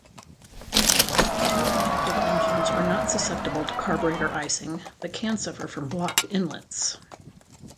Fuel-injected engines are not susceptible to carburetor icing but can suffer from blocked inlets.